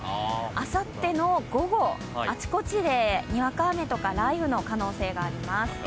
あさっての午後、あちこちでにわか雨や雷雨の可能性があります。